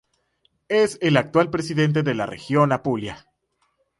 Es el actual presidente de la Región Apulia.